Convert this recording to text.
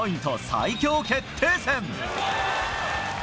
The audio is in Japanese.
最強決定戦。